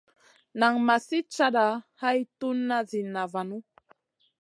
Nan ma sli cata a tun ziyna vanu.